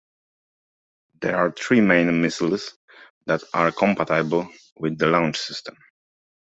There are three main missiles that are compatible with the launch system.